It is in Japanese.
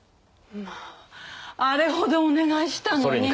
まああれほどお願いしたのに。